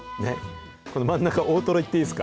この真ん中、大トロいっていいですか。